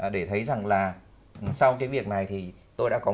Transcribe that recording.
để thấy rằng là sau cái việc này thì tôi đã có